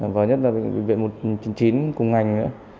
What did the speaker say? và nhất là bệnh viện một trăm chín mươi chín cùng ngành